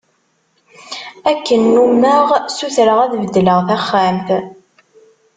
Akken nummeɣ sutreɣ ad beddleɣ taxxamt.